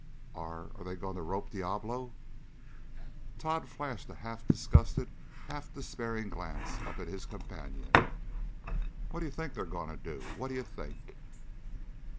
"Are are they going to rope Diablo?" Tod flashed a half disgusted, half despairing glance up at his companion. "What d'you think they're going to do? What do you think?"